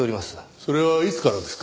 それはいつからですか？